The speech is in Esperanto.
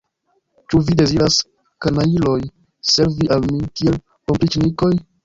Ĉu vi deziras, kanajloj, servi al mi kiel opriĉnikoj?